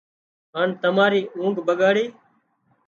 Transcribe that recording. هان تماري اونگھ ٻڳاڙِي